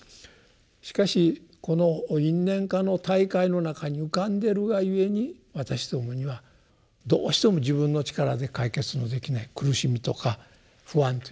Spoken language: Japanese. しかしこの「因・縁・果の大海」の中に浮かんでるがゆえに私どもにはどうしても自分の力で解決のできない苦しみとか不安というものが生まれてくる。